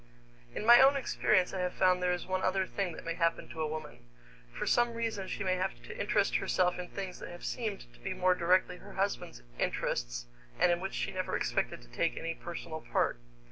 In my own experience I have found there is one other thing that may happen to a woman. For some reason she may have to interest herself in things that have seemed to be more directly her husband's interests and in which she never expected to take any personal part.